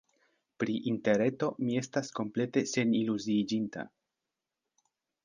Pri Interreto mi estas komplete seniluziiĝinta.